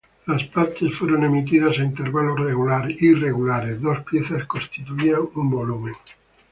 Las partes fueron emitidas a intervalos irregulares, dos piezas constituían un volumen.